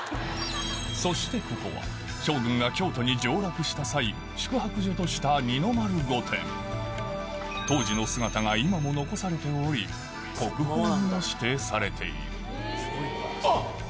そしてここは将軍が京都に上洛した際宿泊所とした二の丸御殿当時の姿が今も残されており国宝にも指定されているあっ！